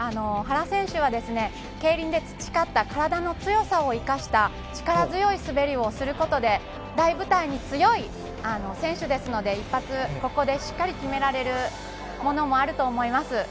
原選手は競輪で培った体の強さを生かした力強い滑りをすることで大舞台に強い選手ですので一発ここでしっかり決められるものもあると思います。